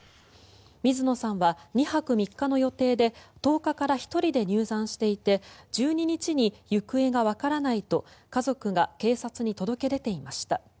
水野さんは２泊３日の予定で１０日から１人で入山していて１２日に行方がわからないと家族が警察に届け出ていました。